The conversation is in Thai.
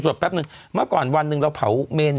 แป๊บนึงเมื่อก่อนวันหนึ่งเราเผาเมน